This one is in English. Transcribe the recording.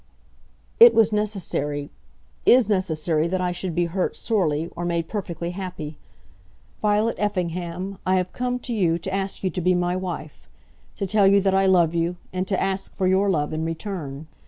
"It was necessary, is necessary that I should be hurt sorely, or made perfectly happy. Violet Effingham, I have come to you to ask you to be my wife; to tell you that I love you, and to ask for your love in return.